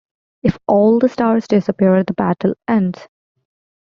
If all the stars disappear, the battle ends.